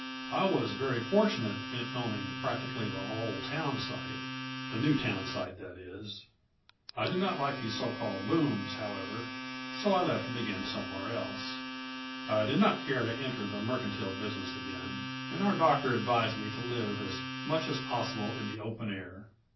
I was very fortunate in owning practically the whole townsite the new townsite, that is. I do not like these so called booms, however, and so I left to begin somewhere else. I did not care to enter the mercantile business again, and our doctor advised me to live as much as possible in the open air.